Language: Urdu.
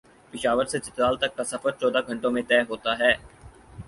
پشاورسے چترال تک کا سفر چودہ گھنٹوں میں طے ہوتا ہے ۔